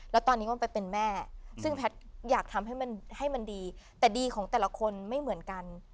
แล้วตอนนี้ก็ไปเป็นแม่ซึ่งแพทย์อยากทำให้มันให้มันดีแต่ดีของแต่ละคนไม่เหมือนกัน